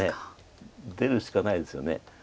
出るしかないですよね。